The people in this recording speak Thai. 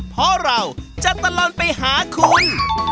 เพราะเราจะตลอดไปหาคุณ